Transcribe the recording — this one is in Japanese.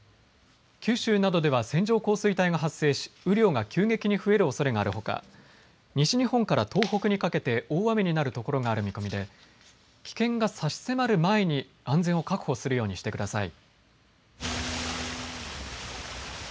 九州などでは線状降水帯が発生し雨量が急激に増えるおそれがあるほか、西日本から東北にかけて大雨になるところがある見込みで危険が差し迫る前に安全を確保するようにしてください。